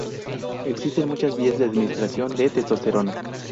Existen muchas vías de administración de la testosterona.